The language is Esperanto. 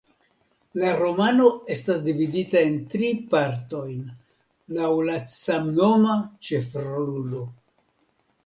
La romano estas dividita en tri partojn laŭ la samnoma ĉefrolulo.